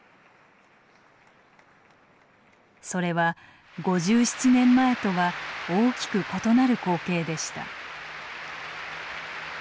それは５７年前とは大きく異なる光景でした。